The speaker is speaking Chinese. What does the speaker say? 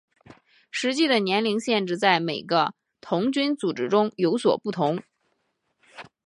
实际的年龄限制在每个童军组织中有所不同。